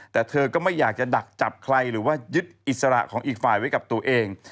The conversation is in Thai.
แต่เธอก็ไม่อยากจะดักจับใครหรือว่ายึดอิสระของอีกฝ่ายไว้กับตัวเอง